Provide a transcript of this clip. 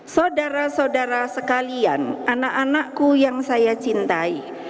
saudara saudara sekalian anak anakku yang saya cintai